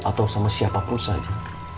atau sama siapa pun saja